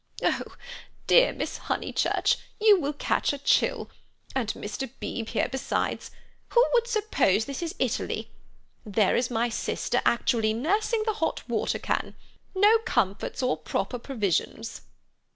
"Oh, dear Miss Honeychurch, you will catch a chill! And Mr. Beebe here besides. Who would suppose this is Italy? There is my sister actually nursing the hot water can; no comforts or proper provisions."